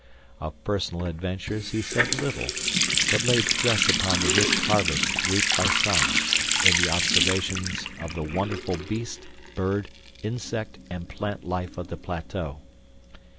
Of personal adventures he said little, but laid stress upon the rich harvest reaped by Science in the observations of the wonderful beast, bird, insect, and plant life of the plateau.